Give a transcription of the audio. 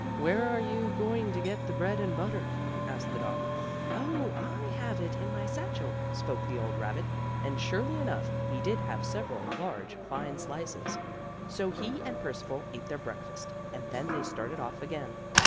"Where are you going to get the bread and butter?" asked the dog. "Oh, I have it in my satchel," spoke the old rabbit, and, surely enough, he did have several large, fine slices. So he and Percival ate their breakfast, and then they started off again.